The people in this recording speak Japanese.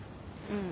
うん？